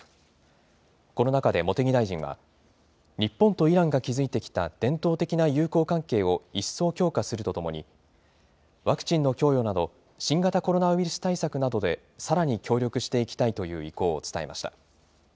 この中で茂木大臣は、日本とイランが築いてきた伝統的な友好関係を一層強化するとともに、ワクチンの供与など、新型コロナウイルス対策などでさらに協力していきたいという意向を伝えました。